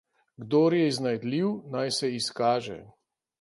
Kdor je iznajdljiv, naj se izkaže.